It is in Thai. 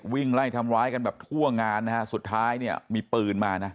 วิ่งไล่ทำร้ายกันแบบทั่วงานนะฮะสุดท้ายเนี่ยมีปืนมานะ